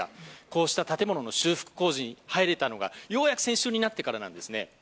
こうした建物の修復工事に入れたのがようやく先週になってからなんですね。